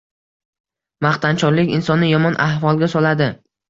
maqtanchoqlik insonni yomon ahvolga soladi